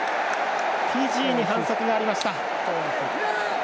フィジーに反則がありました。